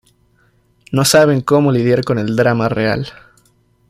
No saben cómo lidiar con el drama real".